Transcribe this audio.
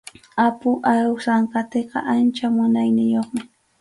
Apu Awsanqatiqa ancha munayniyuqmi.